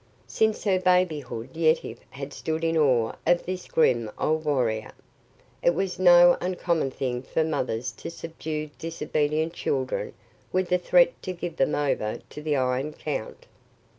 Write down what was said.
Since her babyhood Yetive had stood in awe of this grim old warrior. It was no uncommon thing for mothers to subdue disobedient children with the threat to give them over to the "Iron Count."